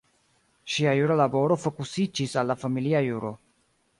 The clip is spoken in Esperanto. Ŝia jura laboro fokusiĝis al la familia juro.